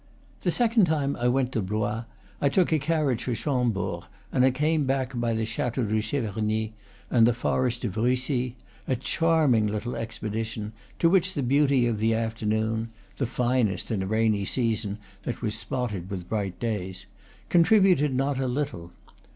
The second time I went to Blois I took a carriage for Chambord, and came back by the Chateau de Cheverny and the forest of Russy, a charming little expedition, to which the beauty of the afternoon (the finest in a rainy season that was spotted with bright days) contributed not a little.